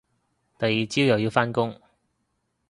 第二朝又要返工